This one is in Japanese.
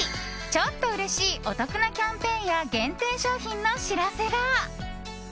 ちょっとうれしいお得なキャンペーンや限定商品の知らせが。